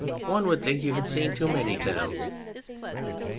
} One would think you had seen too many towns